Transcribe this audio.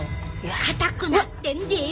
硬くなってんで。